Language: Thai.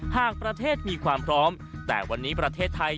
หากประเทศมีความพร้อมแต่วันนี้ประเทศไทย